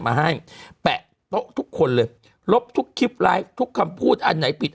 มาให้แปะโต๊ะทุกคนเลยลบทุกคลิปไลฟ์ทุกคำพูดอันไหนผิด